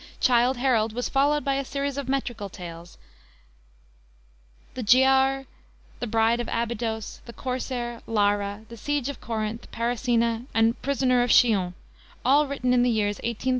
Childe Harold was followed by a series of metrical tales, the Giaour, the Bride of Abydos, the Corsair, Lara, the Siege of Corinth, Parasina, and Prisoner of Chillon, all written in the years 1813 1816.